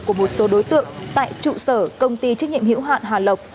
của một số đối tượng tại trụ sở công ty trách nhiệm hữu hạn hà lộc